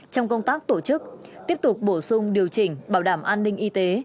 trong công tác tổ chức tiếp tục bổ sung điều chỉnh bảo đảm an ninh y tế